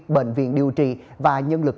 bệnh viện điều trị và nhân lực